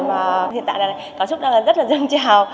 mà hiện tại là cảm xúc rất là dân trào